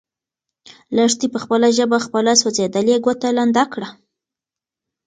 لښتې په خپله ژبه خپله سوځېدلې ګوته لنده کړه.